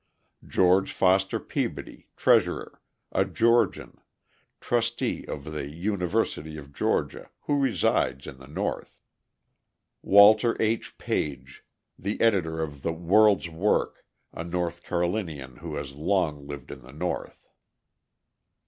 George Foster Peabody, treasurer, a Georgian, trustee of the University of Georgia, who resides in the North. Walter H. Page, the editor of the World's Work, a North Carolinian who has long lived in the North.